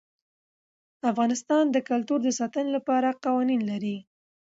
افغانستان د کلتور د ساتنې لپاره قوانین لري.